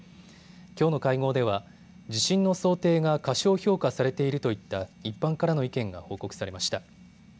きょうの会合では地震の想定が過小評価されているといった一般からの意見が報告されました。